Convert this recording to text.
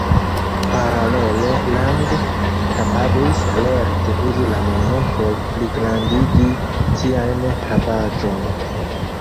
Paralele Lang kapablis lerte uzi la monon por pligrandigi siajn havaĵojn.